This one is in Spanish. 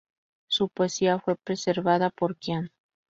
Su poesía fue preservada por Qian.